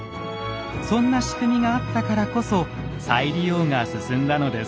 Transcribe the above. そんな仕組みがあったからこそ再利用が進んだのです。